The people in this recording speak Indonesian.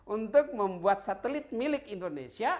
untuk membuat satelit milik indonesia